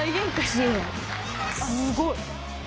すごい。